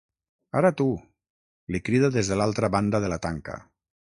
Ara tu —li crida des de l'altra banda de la tanca.